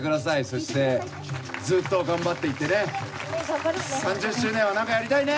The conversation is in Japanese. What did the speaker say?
そして、ずっと頑張っていってね、３０周年はなんかやりたいね。